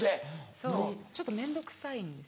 そうちょっと面倒くさいんです。